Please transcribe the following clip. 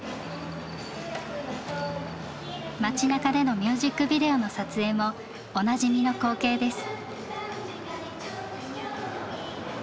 街なかでのミュージックビデオの撮影もおなじみの光景です。